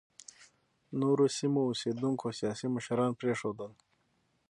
نورو سیمو اوسېدونکو سیاسي مشران پرېنښودل.